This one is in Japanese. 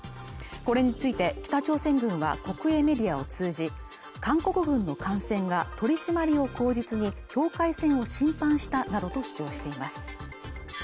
これについて北朝鮮軍は国営メディアを通じ韓国軍の艦船が取り締まりを口実に境界線を侵犯したなどと主張しています